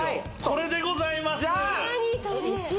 これでございます何？